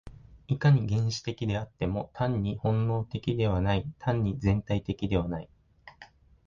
いかに原始的であっても、単に本能的ではない、単に全体的ではない。